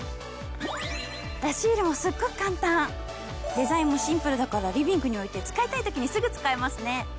デザインもシンプルだからリビングに置いて使いたいときにすぐ使えますね。